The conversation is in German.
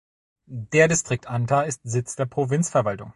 Der Distrikt Anta ist Sitz der Provinzverwaltung.